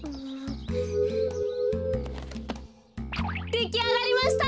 できあがりました。